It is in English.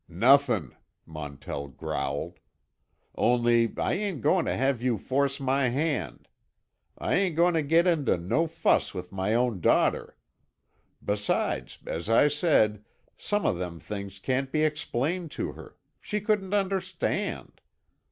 "Nothin'," Montell growled. "Only I ain't goin' to have you force my hand. I ain't goin' to get into no fuss with my own daughter. Besides, as I said, some of them things can't be explained to her—she couldn't understand.